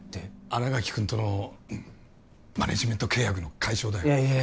新垣君とのマネージメント契約の解消だよいや